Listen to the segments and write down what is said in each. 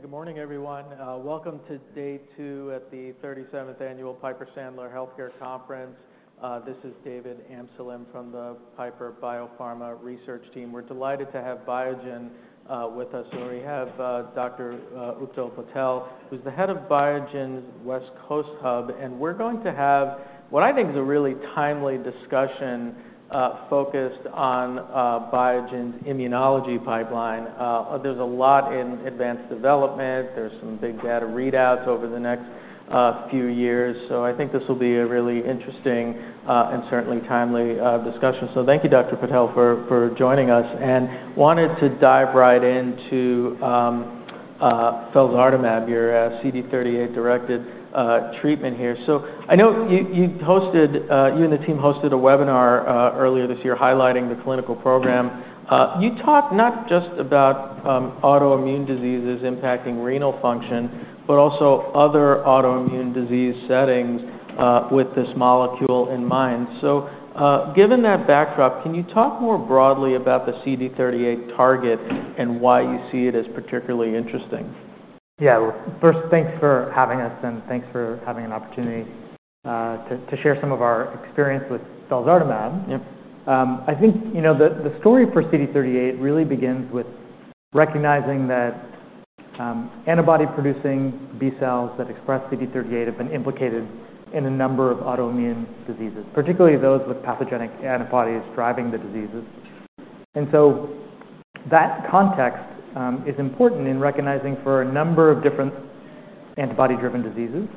Hey, good morning, everyone. Welcome to Day Two at the 37th Annual Piper Sandler Healthcare Conference. This is David Amsalem from the Piper Biopharma Research Team. We're delighted to have Biogen with us. We have Dr. Uptal Patel, who's the head of Biogen's West Coast Hub, and we're going to have what I think is a really timely discussion focused on Biogen's immunology pipeline. There's a lot in advanced development. There's some big data readouts over the next few years. So I think this will be a really interesting and certainly timely discussion. So thank you, Dr. Patel, for joining us, and wanted to dive right into felzartamab, your CD38-directed treatment here. So I know you and the team hosted a webinar earlier this year highlighting the clinical program. You talked not just about autoimmune diseases impacting renal function, but also other autoimmune disease settings with this molecule in mind. So given that backdrop, can you talk more broadly about the CD38 target and why you see it as particularly interesting? Yeah, first, thanks for having us, and thanks for having an opportunity to share some of our experience with felzartamab. I think, you know, the story for CD38 really begins with recognizing that antibody-producing B cells that express CD38 have been implicated in a number of autoimmune diseases, particularly those with pathogenic antibodies driving the diseases. And so that context is important in recognizing for a number of different antibody-driven diseases,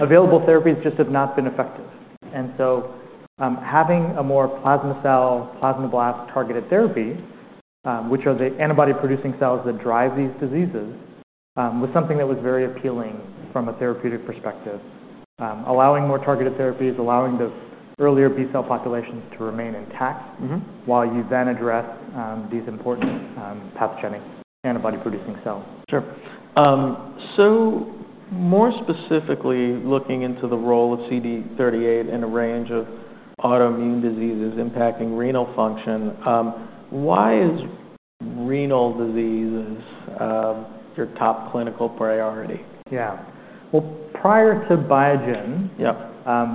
available therapies just have not been effective. And so having a more plasma cell, plasma blast targeted therapy, which are the antibody-producing cells that drive these diseases, was something that was very appealing from a therapeutic perspective, allowing more targeted therapies, allowing the earlier B cell populations to remain intact, while you then address these important pathogenic antibody-producing cells. Sure. So more specifically, looking into the role of CD38 in a range of autoimmune diseases impacting renal function, why is renal disease your top clinical priority? Yeah. Well, prior to Biogen,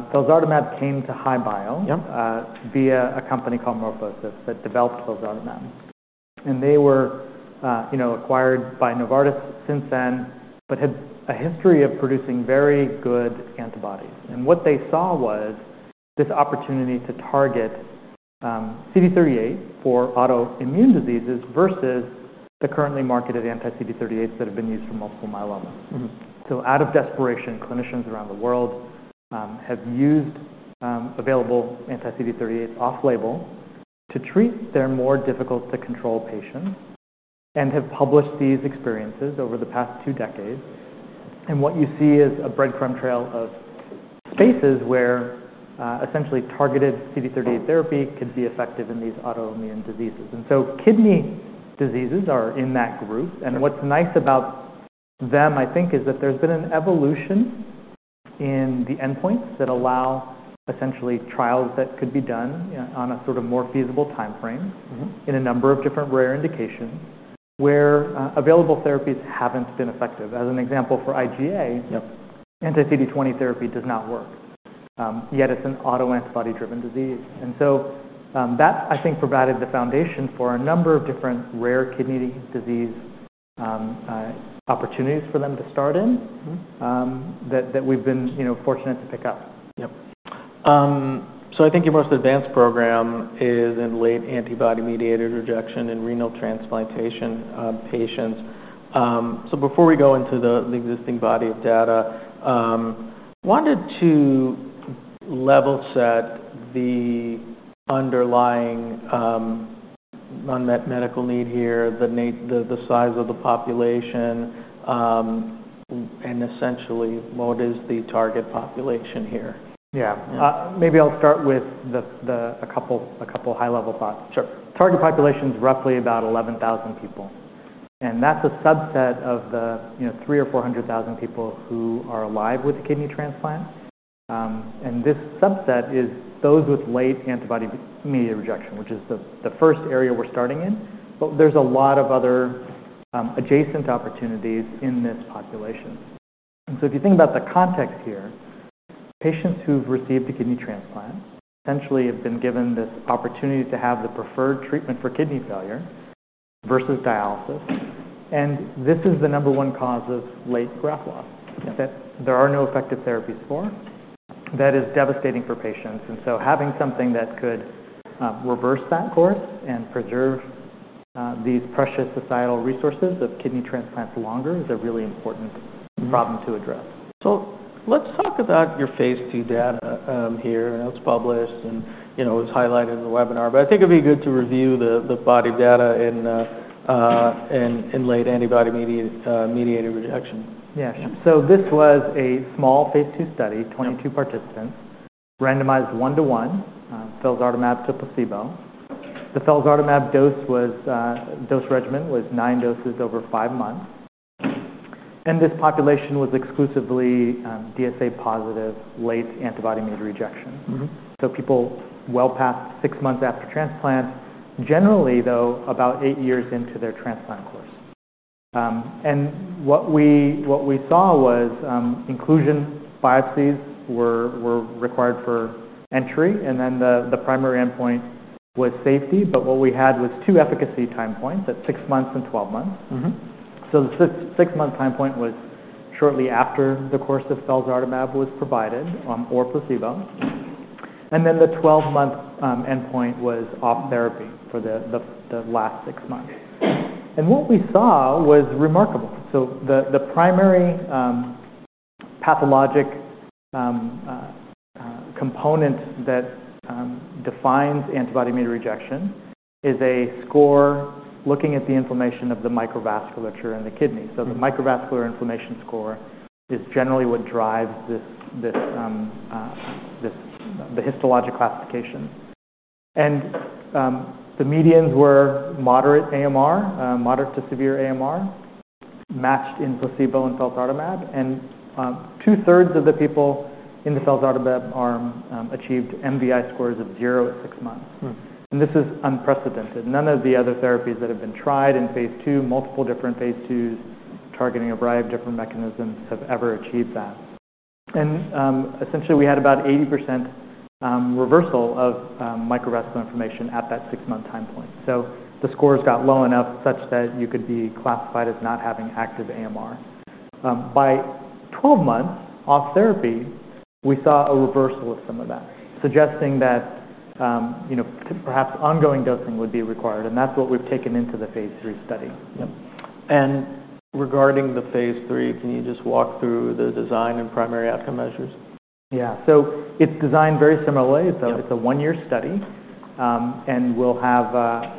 felzartamab came to HI-Bio via a company called MorphoSys that developed felzartamab. And they were, you know, acquired by Novartis since then, but had a history of producing very good antibodies. And what they saw was this opportunity to target CD38 for autoimmune diseases versus the currently marketed anti-CD38s that have been used for multiple myeloma. So out of desperation, clinicians around the world have used available anti-CD38s off-label to treat their more difficult-to-control patients and have published these experiences over the past two decades. And what you see is a breadcrumb trail of spaces where essentially targeted CD38 therapy could be effective in these autoimmune diseases. And so kidney diseases are in that group. What's nice about them, I think, is that there's been an evolution in the endpoints that allow essentially trials that could be done on a sort of more feasible timeframe in a number of different rare indications where available therapies haven't been effective. As an example, for IgA, anti-CD20 therapy does not work, yet it's an autoantibody-driven disease. So that, I think, provided the foundation for a number of different rare kidney disease opportunities for them to start in that we've been, you know, fortunate to pick up. Yep. So I think your most advanced program is in late antibody-mediated rejection in renal transplantation patients. So before we go into the existing body of data, I wanted to level set the underlying unmet medical need here, the size of the population, and essentially what is the target population here. Yeah. Maybe I'll start with a couple high-level thoughts. Sure. Target population is roughly about 11,000 people. And that's a subset of the, you know, three or four hundred thousand people who are alive with a kidney transplant. And this subset is those with late antibody-mediated rejection, which is the first area we're starting in. But there's a lot of other adjacent opportunities in this population. And so if you think about the context here, patients who've received a kidney transplant essentially have been given this opportunity to have the preferred treatment for kidney failure versus dialysis. And this is the number one cause of late graft loss that there are no effective therapies for. That is devastating for patients. And so having something that could reverse that course and preserve these precious societal resources of kidney transplants longer is a really important problem to address. So let's talk about your phase 2 data here. It's published and, you know, it was highlighted in the webinar, but I think it'd be good to review the body of data in late antibody-mediated rejection. Yes. So this was a small phase two study, 22 participants, randomized one-to-one, felzartamab to placebo. The felzartamab dose regimen was nine doses over five months. And this population was exclusively DSA-positive late antibody-mediated rejection. So people well past six months after transplant, generally though, about eight years into their transplant course. And what we saw was inclusion biopsies were required for entry, and then the primary endpoint was safety. But what we had was two efficacy time points at six months and 12 months. So the six-month time point was shortly after the course of felzartamab was provided or placebo. And then the 12-month endpoint was off therapy for the last six months. And what we saw was remarkable. So the primary pathologic component that defines antibody-mediated rejection is a score looking at the inflammation of the microvasculature in the kidney. The microvascular inflammation score is generally what drives the histologic classification. The medians were moderate AMR, moderate to severe AMR, matched in placebo and felzartamab. Two-thirds of the people in the felzartamab arm achieved MVI scores of zero at six months. This is unprecedented. None of the other therapies that have been tried in phase 2, multiple different phase 2s targeting a variety of different mechanisms have ever achieved that. Essentially we had about 80% reversal of microvascular inflammation at that six-month time point. The scores got low enough such that you could be classified as not having active AMR. By 12 months off therapy, we saw a reversal of some of that, suggesting that, you know, perhaps ongoing dosing would be required. That's what we've taken into the phase three study. Regarding the phase three, can you just walk through the design and primary outcome measures? Yeah. So it's designed very similarly. It's a one-year study, and we'll have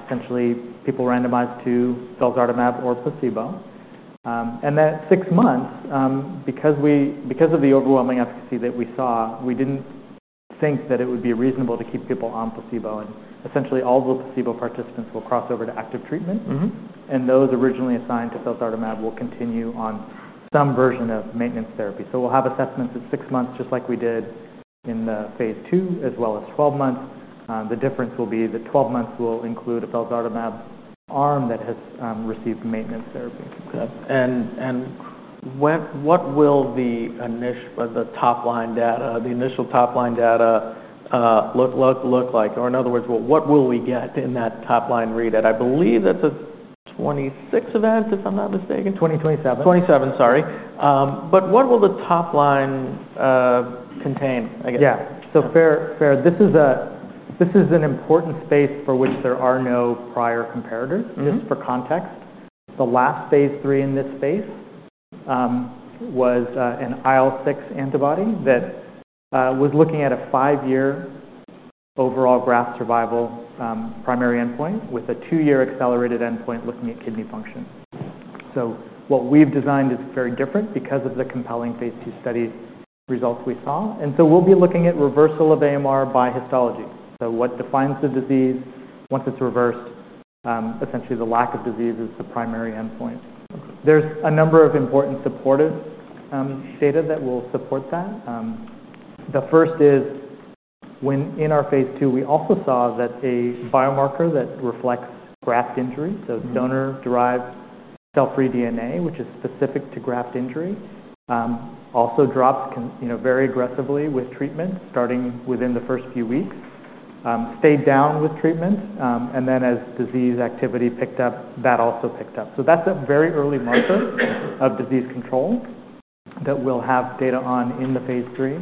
essentially people randomized to felzartamab or placebo. And at six months, because of the overwhelming efficacy that we saw, we didn't think that it would be reasonable to keep people on placebo. And essentially all the placebo participants will cross over to active treatment. And those originally assigned to felzartamab will continue on some version of maintenance therapy. So we'll have assessments at six months, just like we did in phase two, as well as 12 months. The difference will be that 12 months will include a felzartamab arm that has received maintenance therapy. Okay, and what will the initial top-line data look like? Or in other words, what will we get in that top-line read? I believe that's a 26 event, if I'm not mistaken. 2027. 2027, sorry. But what will the top-line contain? Yeah. So this is an important space for which there are no prior comparators, just for context. The last phase 3 in this space was an IL-6 antibody that was looking at a five-year overall graft survival primary endpoint with a two-year accelerated endpoint looking at kidney function. So what we've designed is very different because of the compelling phase 2 study results we saw. And so we'll be looking at reversal of AMR by histology. So what defines the disease once it's reversed, essentially the lack of disease is the primary endpoint. There's a number of important supportive data that will support that. The first is when in our phase two, we also saw that a biomarker that reflects graft injury, so donor-derived cell-free DNA, which is specific to graft injury, also dropped, you know, very aggressively with treatment starting within the first few weeks, stayed down with treatment, and then as disease activity picked up, that also picked up, so that's a very early marker of disease control that we'll have data on in the phase three,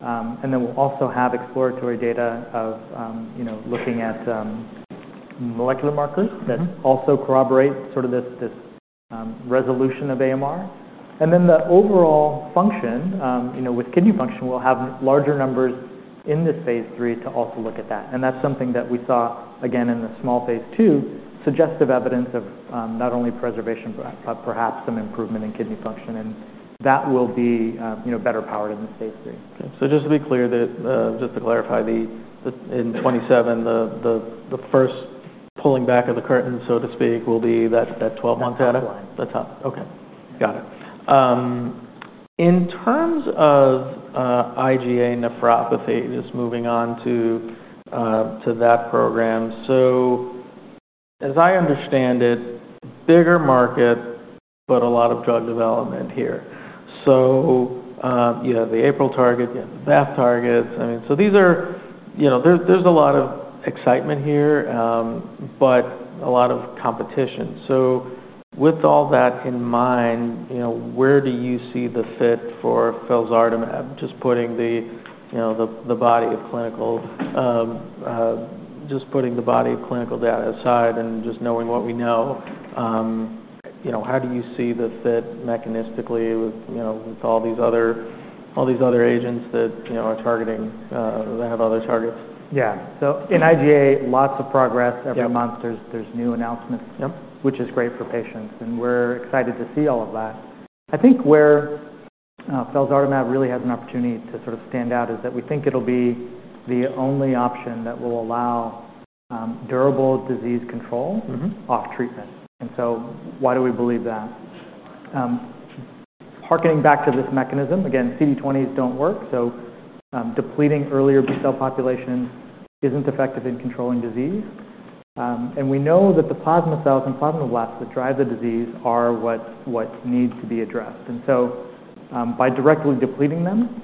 and then we'll also have exploratory data of, you know, looking at molecular markers that also corroborate sort of this resolution of AMR, and then the overall function, you know, with kidney function, we'll have larger numbers in this phase three to also look at that, and that's something that we saw again in the small phase two, suggestive evidence of not only preservation, but perhaps some improvement in kidney function. And that will be, you know, better powered in the phase three. So just to be clear, just to clarify, in 2027, the first pulling back of the curtain, so to speak, will be that 12-month data. That's line. That's up. Okay. Got it. In terms of IgA nephropathy, just moving on to that program. So as I understand it, bigger market, but a lot of drug development here. So you have the April target, you have the BAFF targets. I mean, so these are, you know, there's a lot of excitement here, but a lot of competition. So with all that in mind, you know, where do you see the fit for felzartamab, just putting the body of clinical data aside and just knowing what we know, you know, how do you see the fit mechanistically with, you know, with all these other agents that, you know, are targeting, that have other targets? Yeah. So in IgA, lots of progress. Every month there's new announcements, which is great for patients. And we're excited to see all of that. I think where felzartamab really has an opportunity to sort of stand out is that we think it'll be the only option that will allow durable disease control off treatment. And so why do we believe that? Hearkening back to this mechanism, again, CD20s don't work. So depleting earlier B cell population isn't effective in controlling disease. And we know that the plasma cells and plasma blasts that drive the disease are what need to be addressed. And so by directly depleting them,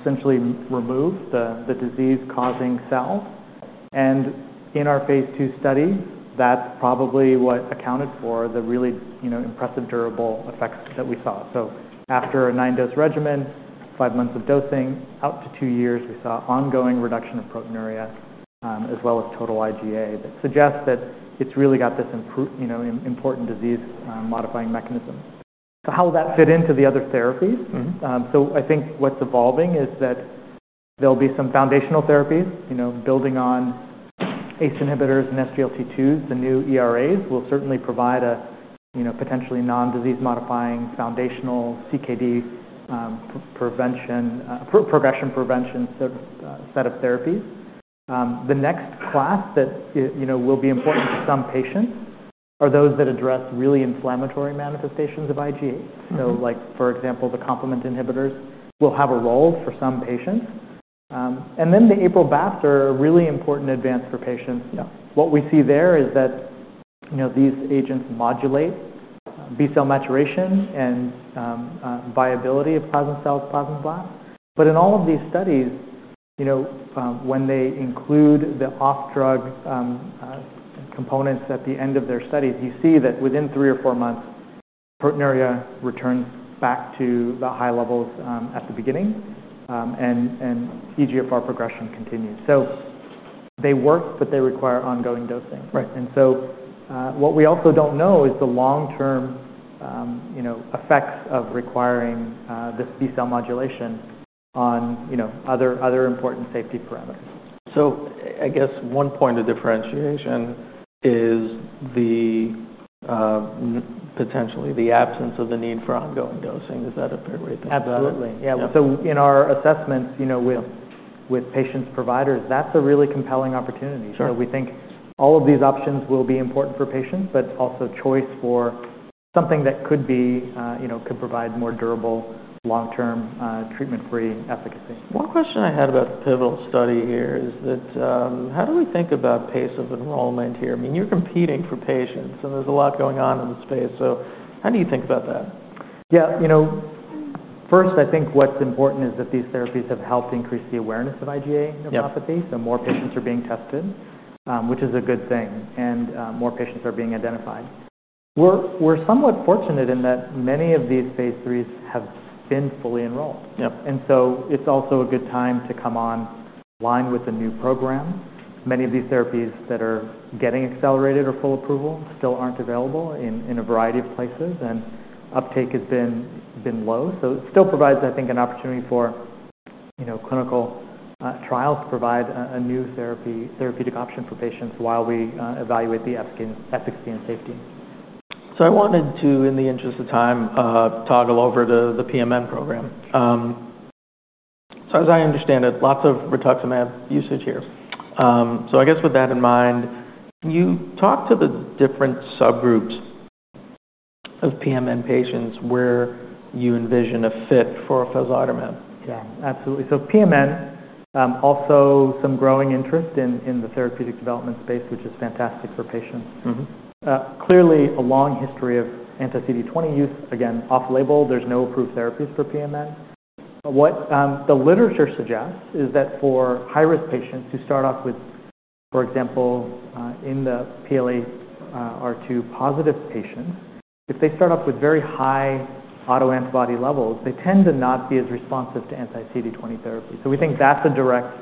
essentially remove the disease-causing cells. And in our phase two study, that's probably what accounted for the really, you know, impressive durable effects that we saw. So after a nine-dose regimen, five months of dosing, out to two years, we saw ongoing reduction of proteinuria as well as total IgA that suggests that it's really got this, you know, important disease-modifying mechanism. So how will that fit into the other therapies? So I think what's evolving is that there'll be some foundational therapies, you know, building on ACE inhibitors and SGLT2s. The new ERAs will certainly provide a, you know, potentially non-disease-modifying foundational CKD progression prevention set of therapies. The next class that, you know, will be important to some patients are those that address really inflammatory manifestations of IgA. So like, for example, the complement inhibitors will have a role for some patients. And then the APRIL BAFFs are a really important advance for patients. What we see there is that, you know, these agents modulate B cell maturation and viability of plasma cells, plasma blasts. But in all of these studies, you know, when they include the off-drug components at the end of their studies, you see that within three or four months, proteinuria returns back to the high levels at the beginning and eGFR progression continues. So they work, but they require ongoing dosing. And so what we also don't know is the long-term, you know, effects of requiring this B cell modulation on, you know, other important safety parameters. So I guess one point of differentiation is potentially the absence of the need for ongoing dosing. Does that appear right there? Absolutely. Yeah. So in our assessments, you know, with patients' providers, that's a really compelling opportunity. So we think all of these options will be important for patients, but also choice for something that could be, you know, could provide more durable long-term treatment-free efficacy. One question I had about the pivotal study here is that how do we think about pace of enrollment here? I mean, you're competing for patients and there's a lot going on in the space. So how do you think about that? Yeah. You know, first, I think what's important is that these therapies have helped increase the awareness of IgA nephropathy. So more patients are being tested, which is a good thing. And more patients are being identified. We're somewhat fortunate in that many of these phase 3s have been fully enrolled. And so it's also a good time to come online with a new program. Many of these therapies that are getting accelerated or full approval still aren't available in a variety of places, and uptake has been low. So it still provides, I think, an opportunity for, you know, clinical trials to provide a new therapeutic option for patients while we evaluate the efficacy and safety. So I wanted to, in the interest of time, toggle over to the PMN program. So as I understand it, lots of rituximab usage here. So I guess with that in mind, can you talk to the different subgroups of PMN patients where you envision a fit for felzartamab? Yeah, absolutely. So PMN, also some growing interest in the therapeutic development space, which is fantastic for patients. Clearly, a long history of anti-CD20 use, again, off-label. There's no approved therapies for PMN. But what the literature suggests is that for high-risk patients who start off with, for example, in the PLA2R-positive patients, if they start off with very high autoantibody levels, they tend to not be as responsive to anti-CD20 therapy. So we think that's a direct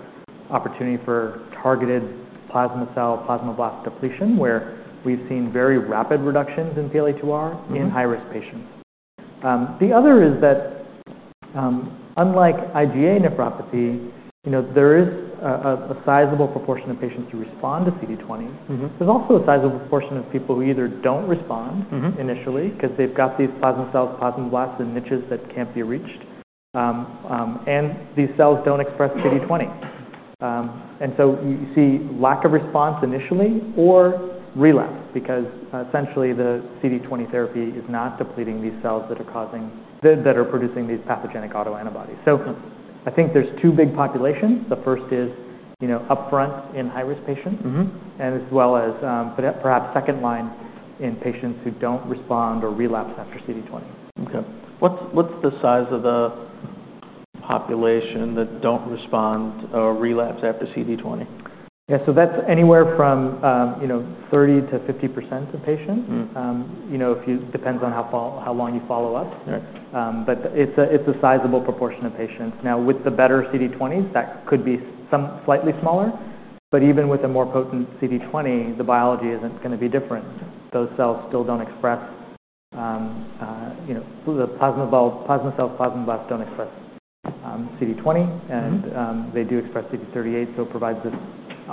opportunity for targeted plasma cell, plasma blast depletion, where we've seen very rapid reductions in PLA2R in high-risk patients. The other is that unlike IgA nephropathy, you know, there is a sizable proportion of patients who respond to CD20. There's also a sizable proportion of people who either don't respond initially because they've got these plasma cells, plasma blasts, and niches that can't be reached. And these cells don't express CD20. And so you see lack of response initially or relapse because essentially the CD20 therapy is not depleting these cells that are producing these pathogenic autoantibodies. So I think there's two big populations. The first is, you know, upfront in high-risk patients and as well as perhaps second line in patients who don't respond or relapse after CD20. Okay. What's the size of the population that don't respond or relapse after CD20? Yeah. So that's anywhere from, you know, 30%-50% of patients. You know, it depends on how long you follow up. But it's a sizable proportion of patients. Now, with the better CD20s, that could be slightly smaller. But even with a more potent CD20, the biology isn't going to be different. Those cells still don't express, you know, the plasma cells, plasma blasts don't express CD20. And they do express CD38. So it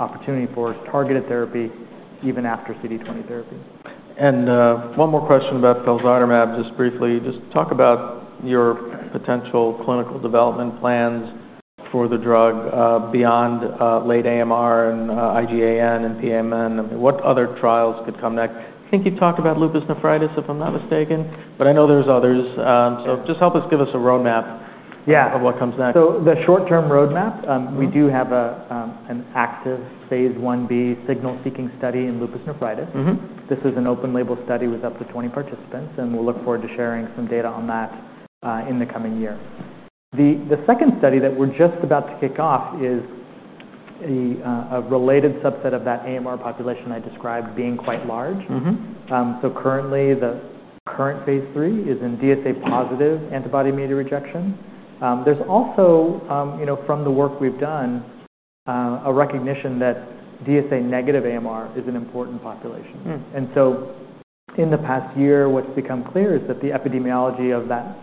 provides this opportunity for targeted therapy even after CD20 therapy. One more question about felzartamab, just briefly. Just talk about your potential clinical development plans for the drug beyond late AMR and IgAN and PMN. What other trials could come next? I think you talked about lupus nephritis, if I'm not mistaken, but I know there's others. Just help us give a roadmap of what comes next. Yeah. So the short-term roadmap, we do have an active phase 1b signal-seeking study in lupus nephritis. This is an open-label study with up to 20 participants. And we'll look forward to sharing some data on that in the coming year. The second study that we're just about to kick off is a related subset of that AMR population I described being quite large. So currently, the current phase 3 is in DSA positive antibody-mediated rejection. There's also, you know, from the work we've done, a recognition that DSA negative AMR is an important population. And so in the past year, what's become clear is that the epidemiology of that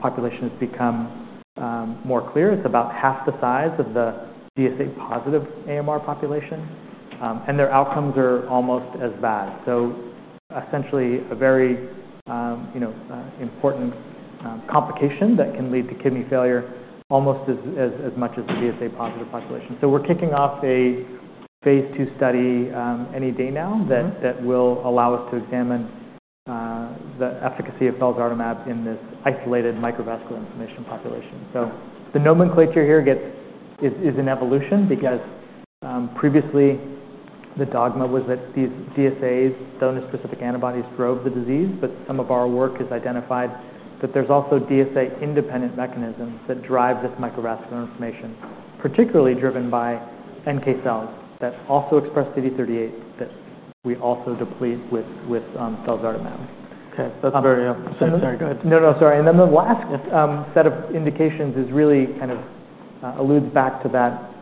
population has become more clear. It's about half the size of the DSA positive AMR population. And their outcomes are almost as bad. Essentially a very, you know, important complication that can lead to kidney failure almost as much as the DSA positive population. We're kicking off a phase two study any day now that will allow us to examine the efficacy of felzartamab in this isolated microvascular inflammation population. The nomenclature here is an evolution because previously the dogma was that these DSAs, donor-specific antibodies, drove the disease. But some of our work has identified that there's also DSA independent mechanisms that drive this microvascular inflammation, particularly driven by NK cells that also express CD38 that we also deplete with felzartamab. Okay. That's very helpful. No, no, sorry, and then the last set of indications is really kind of alludes back to that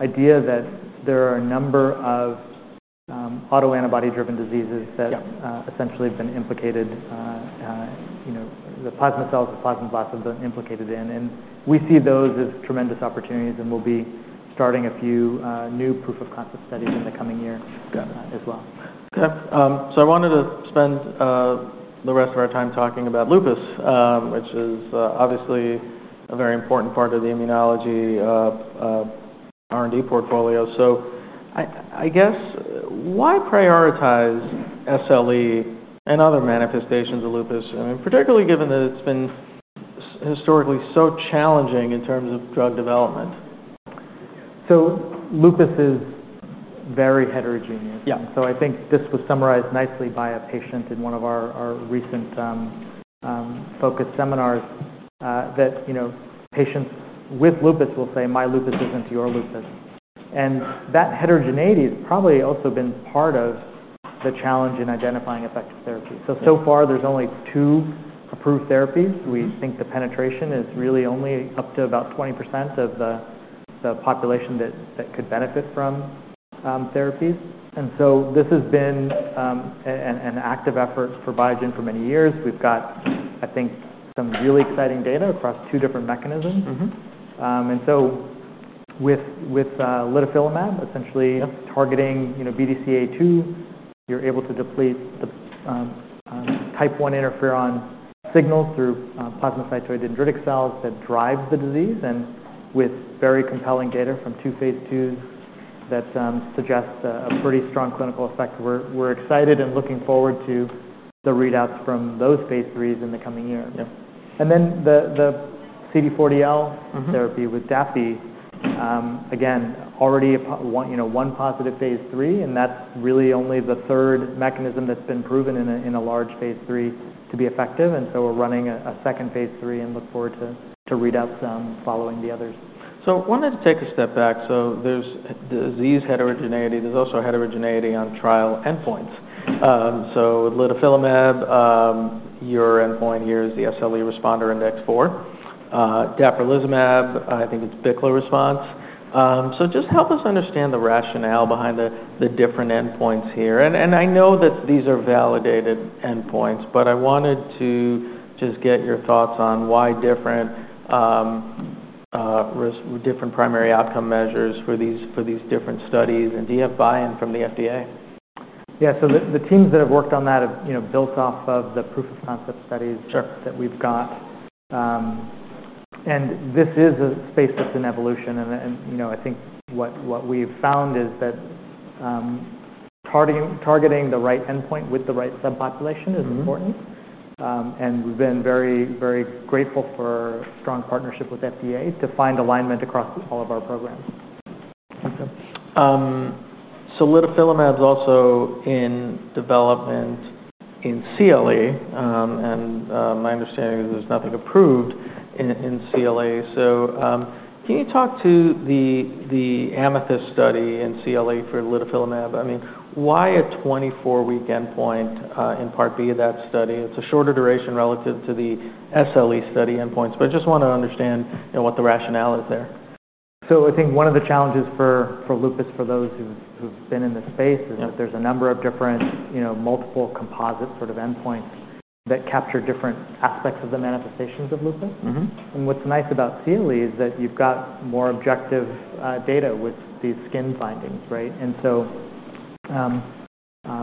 idea that there are a number of autoantibody-driven diseases that essentially have been implicated, you know, the plasma cells, the plasma blasts have been implicated in, and we see those as tremendous opportunities and we'll be starting a few new proof of concept studies in the coming year as well. Okay. So I wanted to spend the rest of our time talking about lupus, which is obviously a very important part of the immunology R&D portfolio. So I guess why prioritize SLE and other manifestations of lupus? I mean, particularly given that it's been historically so challenging in terms of drug development. So lupus is very heterogeneous. So I think this was summarized nicely by a patient in one of our recent focus seminars that, you know, patients with lupus will say, "My lupus isn't your lupus." And that heterogeneity has probably also been part of the challenge in identifying effective therapy. So far, there's only two approved therapies. We think the penetration is really only up to about 20% of the population that could benefit from therapies. And so this has been an active effort for Biogen for many years. We've got, I think, some really exciting data across two different mechanisms. And so with litufilamab, essentially targeting, you know, BDCA2, you're able to deplete the type I interferon signals through plasmacytoid dendritic cells that drive the disease. And with very compelling data from two phase 2s that suggest a pretty strong clinical effect, we're excited and looking forward to the readouts from those phase 3s in the coming year. And then the CD40L therapy with dapirolizumab pegol, again, already one positive phase 3. And that's really only the third mechanism that's been proven in a large phase 3 to be effective. And so we're running a second phase 3 and look forward to readouts following the others. So I wanted to take a step back. So there's disease heterogeneity. There's also heterogeneity on trial endpoints. So litufilamab, your endpoint here is the SLE Responder Index four. Dapirolizumab, I think it's BICLA response. So just help us understand the rationale behind the different endpoints here. And I know that these are validated endpoints, but I wanted to just get your thoughts on why different primary outcome measures for these different studies. And do you have buy-in from the FDA? Yeah. So the teams that have worked on that have, you know, built off of the proof of concept studies that we've got. And this is a space that's in evolution. And, you know, I think what we've found is that targeting the right endpoint with the right subpopulation is important. And we've been very, very grateful for strong partnership with FDA to find alignment across all of our programs. Litufilamab is also in development in CLE. My understanding is there's nothing approved in CLE. Can you talk to the Amethyst study in CLE for litufilamab? I mean, why a 24-week endpoint in part B of that study? It's a shorter duration relative to the SLE study endpoints. But I just want to understand what the rationale is there. I think one of the challenges for lupus, for those who've been in the space, is that there's a number of different, you know, multiple composite sort of endpoints that capture different aspects of the manifestations of lupus. What's nice about CLE is that you've got more objective data with these skin findings, right?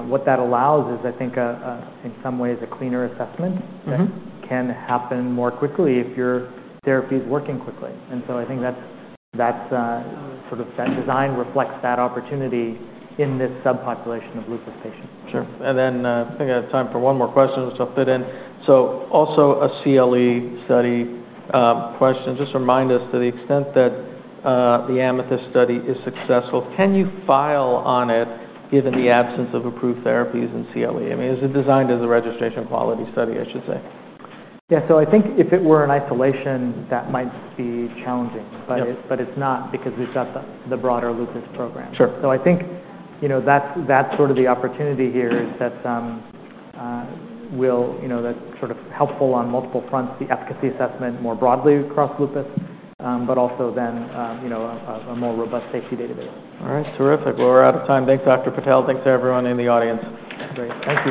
What that allows is, I think, in some ways, a cleaner assessment that can happen more quickly if your therapy is working quickly. I think that's sort of that design reflects that opportunity in this subpopulation of lupus patients. Sure. And then I think I have time for one more question. I'll just fit in. So also a CLE study question. Just remind us to the extent that the Amethyst study is successful, can you file on it given the absence of approved therapies in CLE? I mean, is it designed as a registration quality study, I should say? Yeah. So I think if it were in isolation, that might be challenging. But it's not because we've got the broader lupus program. So I think, you know, that's sort of the opportunity here is that we'll, you know, that's sort of helpful on multiple fronts, the efficacy assessment more broadly across lupus, but also then, you know, a more robust safety database. All right. Terrific. Well, we're out of time. Thanks, Dr. Patel. Thanks to everyone in the audience. Great. Thank you.